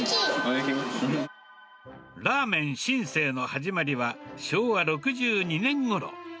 ラーメン新世の始まりは、昭和６２年ごろ。